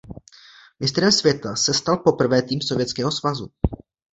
Mistrem světa se stal poprvé tým Sovětského svazu.